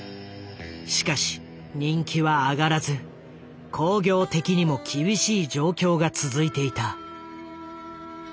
しかし人気は上がらず興行的にも厳しい状況が続いていた。